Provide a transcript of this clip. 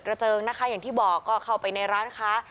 แบบนี้อย่างที่บอกเข้าไปในร้านค้า